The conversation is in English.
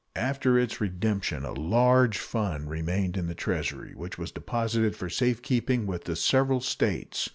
After its redemption a large fund remained in the Treasury, which was deposited for safe keeping with the several States.